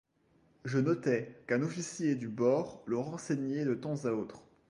Je notai qu'un officier du bord le renseignait de temps à autre.